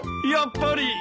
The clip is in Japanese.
やっぱり！